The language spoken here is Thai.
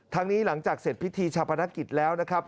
นี้หลังจากเสร็จพิธีชาปนกิจแล้วนะครับ